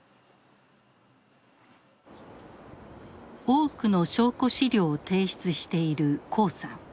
多くの証拠資料を提出している黄さん。